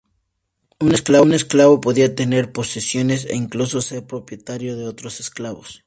Un esclavo podía tener posesiones e incluso ser propietario de otros esclavos.